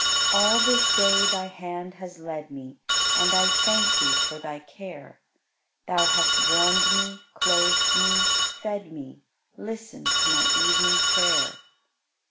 All this day Thy hand has led me, And I thank Thee for Thy care; Thou hast warmed me, clothed me, fed me; Listen to my evening prayer.